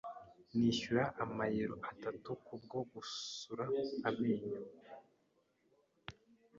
Nishyura amayero itatu kubwo gusura amenyo.